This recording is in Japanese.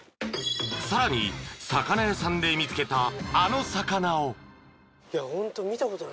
［さらに魚屋さんで見つけたあの魚を］